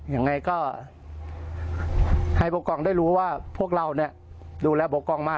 ยังไงก็ให้ผู้กองได้รู้ว่าพวกเราเนี่ยดูแลโบกองมาก